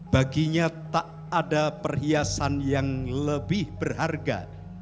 baginya tak ada perhiasan yang lebih berharga